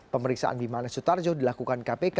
pemeriksaan bimanes sutarjo dilakukan kpk